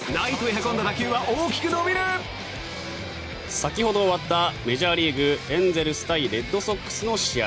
先ほど終わったメジャーリーグエンゼルス対レッドソックスの試合。